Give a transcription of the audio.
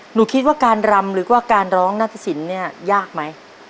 หนูคิดว่าการรำหรือว่าการร้องนาฏศิลป์เนี่ยยากไหม